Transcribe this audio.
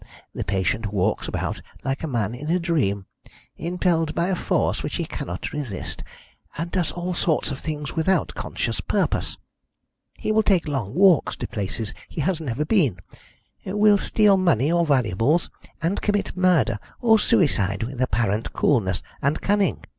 The patient walks about like a man in a dream, impelled by a force which he cannot resist, and does all sorts of things without conscious purpose. He will take long walks to places he has never been, will steal money or valuables, and commit murder or suicide with apparent coolness and cunning.